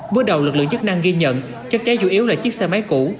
bước đầu lực lượng chức năng ghi nhận chất cháy chủ yếu là chiếc xe máy cũ